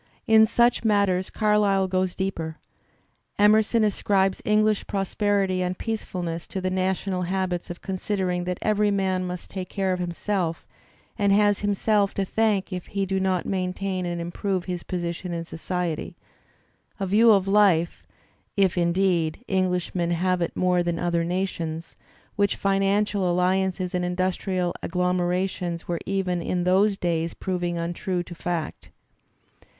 In such matters Carlyle goes deeper. Emerson ascribes English prosperity and peacefulness to the Digitized by Google EMERSON 67 national habit of ^'considering that every man must take care of himself and has himself to thank if he do not maintain and improve his position in society" — a view of life, if, indeed. Englishmen have it more than other nations, which financial alliances and industrial agglomerations were even in those days proving untrue to fact.